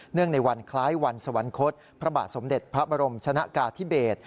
ในวันคล้ายวันสวรรคตพระบาทสมเด็จพระบรมชนะกาธิเบศ